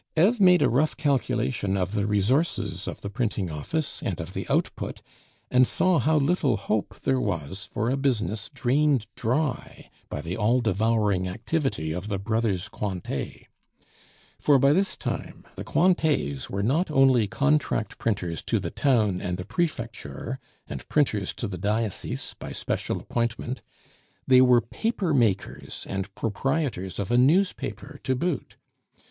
Eve made a rough calculation of the resources of the printing office and of the output, and saw how little hope there was for a business drained dry by the all devouring activity of the brothers Cointet; for by this time the Cointets were not only contract printers to the town and the prefecture, and printers to the Diocese by special appointment they were paper makers and proprietors of a newspaper to boot.